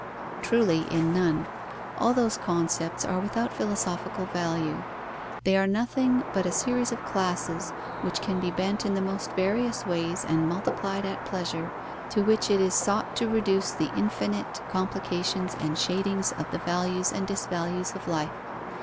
Truly, in none. All those concepts are without philosophical value. They are nothing but a series of classes, which can be bent in the most various ways and multiplied at pleasure, to which it is sought to reduce the infinite complications and shadings of the values and disvalues of life.